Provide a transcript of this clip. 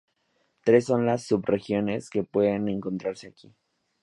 Tres son las sub-regiones que pueden encontrarse aquí.